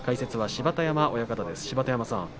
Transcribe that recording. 芝田山さん